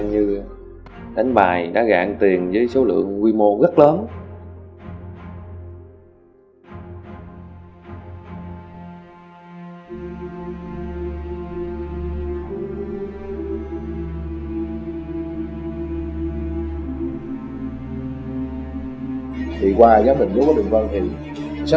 gạn như đánh bài đã gạn tiền với số lượng quy mô rất lớn thì qua giá bình của đường vân thì xác